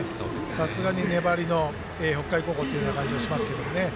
さすがに粘りの北海高校というような感じがしますけどね。